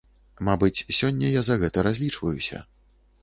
Мабыць, сёння я за гэта разлічваюся.